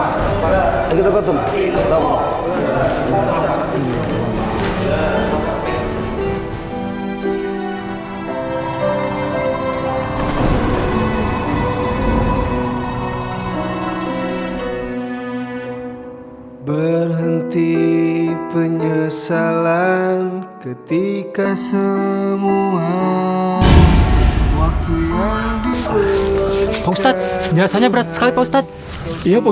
kita bawa ke tempat pemakaman ya baiklah bu